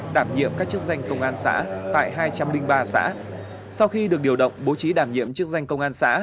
đảm nhiệm các chức danh công an xã tại hai trăm linh ba xã sau khi được điều động bố trí đảm nhiệm chức danh công an xã